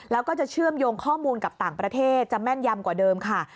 แล้วก็จะเชื่อมโยงข้อมูลกับต่างประเทศจะแม่นยำกว่าเดิมค่ะ